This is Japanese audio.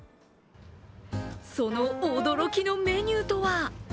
その驚きのメニューとは？